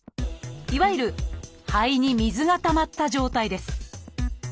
いわゆる「肺に水が溜まった」状態です。